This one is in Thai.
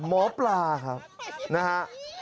หมอปลาครับนะฮะ